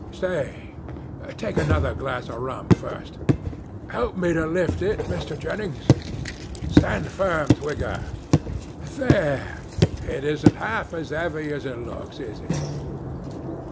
Stay; take another glass of rum first. Help me to lift it, Mr. Jennings. Stand firm, Twigger! There!—it isn't half as heavy as it looks, is it?